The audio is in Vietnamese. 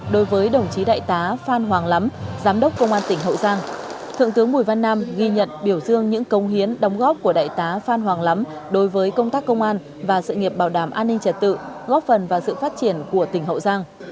đối với đồng chí đại tá phan hoàng lắm giám đốc công an tỉnh hậu giang thượng tướng bùi văn nam ghi nhận biểu dương những công hiến đóng góp của đại tá phan hoàng lắm đối với công tác công an và sự nghiệp bảo đảm an ninh trật tự góp phần vào sự phát triển của tỉnh hậu giang